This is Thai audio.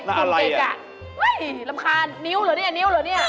อุ๊ยรำคาญนิ้วเหรอเนี่ยนิ้วเหรอเนี่ย